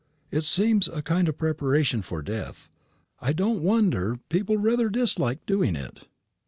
It seems a kind of preparation for death. I don't wonder people rather dislike doing it.